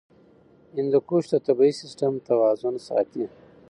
هندوکش د طبعي سیسټم توازن ساتي.